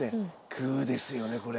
グーですよねこれ。